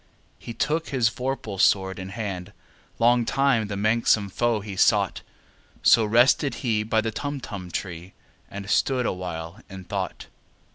He took his vorpal sword in hand: Long time the manxome foe he sought— So rested he by the Tumtum tree, And stood awhile in thought.